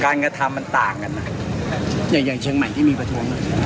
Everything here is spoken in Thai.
การกระทำมันต่างกันอ่ะอย่างอย่างเชียงใหม่ที่มีประท้วง